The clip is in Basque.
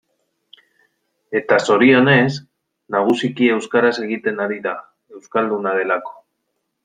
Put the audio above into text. Eta zorionez, nagusiki euskaraz egiten ari da, euskalduna delako.